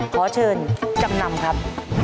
ขอเชิญจำนำครับ